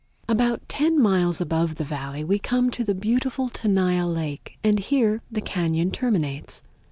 About ten miles above the Valley we come to the beautiful Tenaya Lake, and here the cañon terminates.